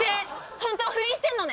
本当は不倫してんのね！？